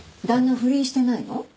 不倫してないの？